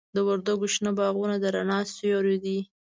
د وردګو شنه باغونه د رڼا سیوري دي.